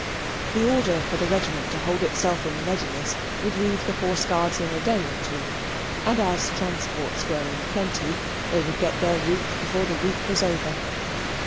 The order for the regiment to hold itself in readiness would leave the Horse Guards in a day or two; and as transports were in plenty, they would get their route before the week was over.